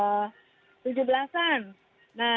nah mereka bikin di sana